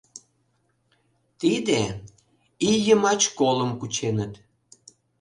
Тиде — ий йымач колым кученыт.